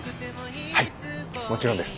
はいもちろんです。